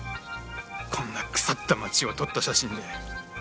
こんな腐った町を撮った写真で。